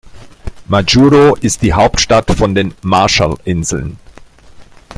Majuro ist die Hauptstadt von den Marshallinseln.